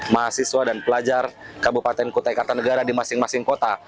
mahasiswa dan pelajar kabupaten kutai kartanegara di masing masing kota